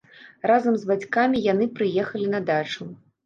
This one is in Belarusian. Разам з бацькамі яны прыехалі на дачу.